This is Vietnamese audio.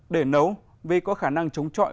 để nấu vì có khả năng chống chọi